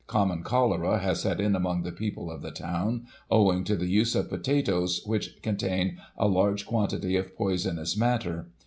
Common cholera has set in among the people of the town, owing to the use of potatoes, which contain a large quantity of poisonous matter.